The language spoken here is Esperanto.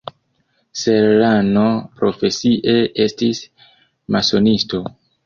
Serrano profesie estis masonisto.